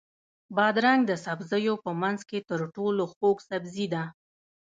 بادرنګ د سبزیو په منځ کې تر ټولو خوږ سبزی ده.